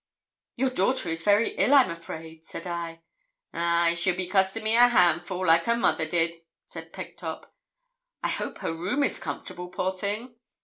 'Your daughter is very ill, I'm afraid,' said I. 'Ay she'll be costin' me a handful, like her mother did,' said Pegtop. 'I hope her room is comfortable, poor thing.'